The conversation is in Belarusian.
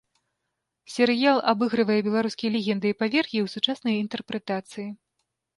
Серыял абыгрывае беларускія легенды і павер'і ў сучаснай інтэрпрэтацыі.